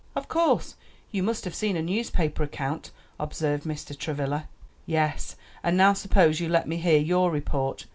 "Of course, you must have seen a newspaper account?" observed Mr. Travilla. "Yes; and now suppose you let me hear your report.